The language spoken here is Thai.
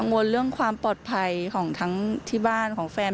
วนเรื่องความปลอดภัยของทั้งที่บ้านของแฟน